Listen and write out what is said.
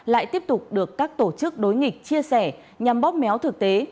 lại tiếp tục được các tổ chức đối nghịch chia sẻ nhằm bóp méo thực tế